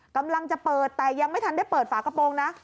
กำลังจะเปิดแต่ยังไม่ทันได้เปิดฝากระโปรงนะ